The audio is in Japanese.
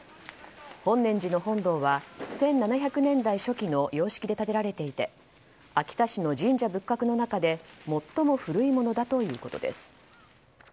本念寺の本堂は１７００年代初期の様式で建てられていて秋田市の神社仏閣の中で最も古いものだということです。